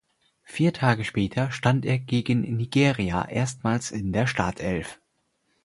Vier Tage später stand er gegen Nigeria erstmals in der Startelf.